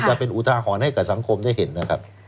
จะเป็นอุทาหรณ์ให้กับสังคมได้เห็นนะครับ